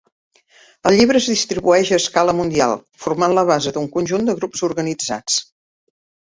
El llibre es distribueix a escala mundial, formant la base d'un conjunt de grups organitzats.